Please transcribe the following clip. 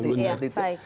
satu kapal pelni